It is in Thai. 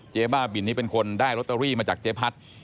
บ้าบินนี่เป็นคนได้ลอตเตอรี่มาจากเจ๊พัด